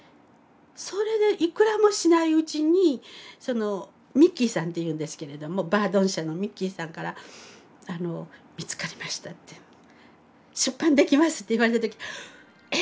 それでいくらもしないうちにミッキーさんというんですけれどもバードン社のミッキーさんから「見つかりました」って「出版できます」って言われた時え